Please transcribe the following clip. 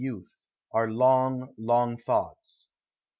youth are long, long thoughts."